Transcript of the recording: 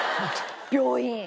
病院。